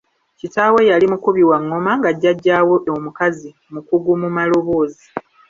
Kitaawe yali mukubi wa ng'oma nga jjaajaawe omukazi mukugu mu maloboozi